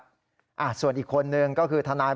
เพราะว่ามีทีมนี้ก็ตีความกันไปเยอะเลยนะครับ